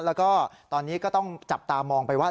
แล้วก็ตอนนี้ก็ต้องจับตามองไปว่า